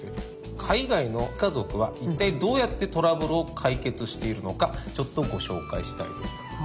海外の家族は一体どうやってトラブルを解決しているのかちょっとご紹介したいと思います。